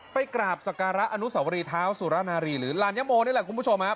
ไปกราบสการะอนุสวรีเท้าสุรนารีหรือลานยโมนี่แหละคุณผู้ชมครับ